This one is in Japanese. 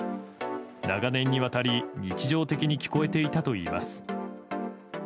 長年にわたり日常的に聞こえていたといいます。